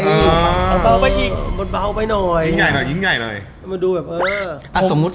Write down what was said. มันเบาไปอีกมันเบาไปหน่อยยิ้งใหญ่หน่อยยิ้งใหญ่หน่อยมันดูแบบเออ